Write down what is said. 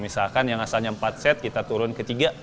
misalkan yang asalnya empat set kita turun ke tiga